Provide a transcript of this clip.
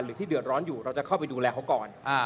หรือที่เดือดร้อนอยู่เราจะเข้าไปดูแลเขาก่อน